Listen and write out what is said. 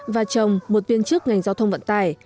và chồng một viên chức ngành giao thông vận tải